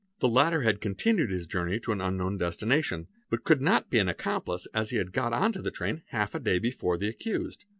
The latter had continued his journey to an _ unknown destination; but could not be an accomplice as he had got into the train half a day before the accused.